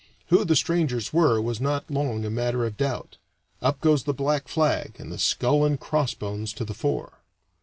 Who the strangers were was not long a matter of doubt. Up goes the black flag, and the skull and crossbones to the fore.